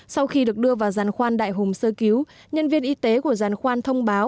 sau khi được đưa vào giàn khoan đại hùng sơ cứu nhân viên y tế của giàn khoan thông báo